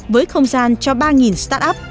với không gian cho ba start up